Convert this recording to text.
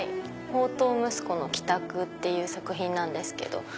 『放蕩息子の帰宅』っていう作品なんですけど。